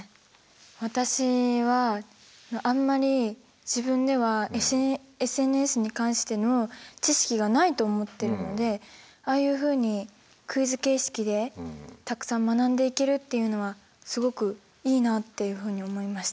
私はあんまり自分ではＳＮＳに関しての知識がないと思ってるのでああいうふうにクイズ形式でたくさん学んでいけるっていうのはすごくいいなっていうふうに思いました。